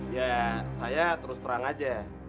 ya saya terus terang aja